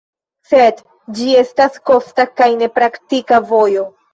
Sed ĝi estas kosta kaj ne praktika vojo.